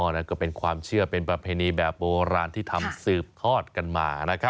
นั่นก็เป็นความเชื่อเป็นประเพณีแบบโบราณที่ทำสืบทอดกันมานะครับ